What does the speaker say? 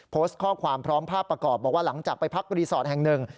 โพสต์ข้อความพร้อมภาพประกอบบอกว่าหลังจากไปพักรีสอร์ทแห่งหนึ่ง